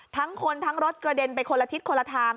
ทั้งคนทั้งรถกระเด็นไปคนละทิศคนละทาง